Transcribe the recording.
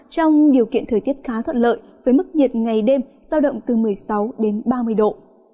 trong điều kiện thời tiết khá thuận lợi với mức nhiệt ngày đêm giao động từ một mươi sáu đến ba mươi độ